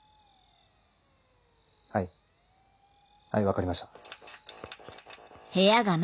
はい分かりました。